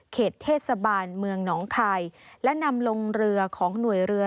เทศบาลเมืองหนองคายและนำลงเรือของหน่วยเรือ